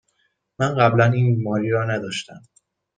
من قبلاً این بیماری را نداشتم.